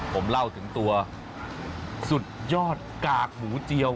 ผมเล่าถึงตัวสุดยอดกากหมูเจียว